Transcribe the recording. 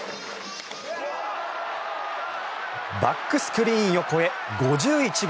バックスクリーンを越え５１号。